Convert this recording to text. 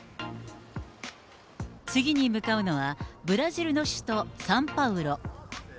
次に向かうのはブラジルの首都サンパウロ。